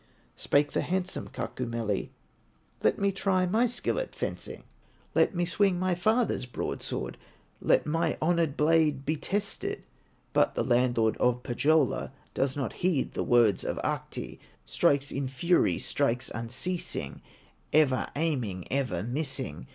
Spake the handsome Kaukomieli: "Let me try my skill at fencing, Let me swing my father's broadsword, Let my honored blade be tested!" But the landlord of Pohyola, Does not heed the words of Ahti, Strikes in fury, strikes unceasing, Ever aiming, ever missing.